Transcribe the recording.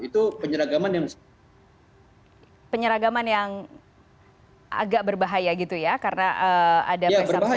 itu penyeragaman yang agak berbahaya gitu ya karena ada presiden